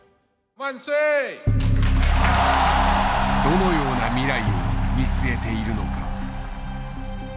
どのような未来を見据えているのか？